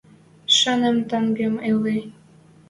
Шаным тӓнгем ыльы